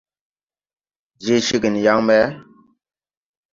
Je ceegen yaŋ ɓe ?